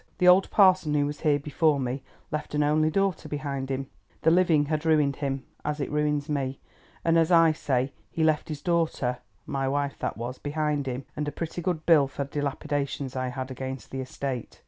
The old parson who was here before me left an only daughter behind him. The living had ruined him, as it ruins me, and, as I say, he left his daughter, my wife that was, behind him, and a pretty good bill for dilapidations I had against the estate.